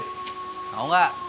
tsk mau gak